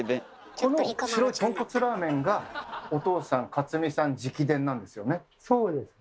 この白いとんこつラーメンがお父さん勝見さん直伝なんですよね？